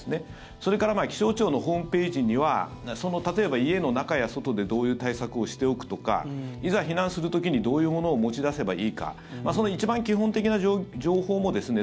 それから気象庁のホームページには例えば、家の中や外でどういう対策をしておくとかいざ避難する時にどういうものを持ち出せばいいかその一番基本的な情報もですね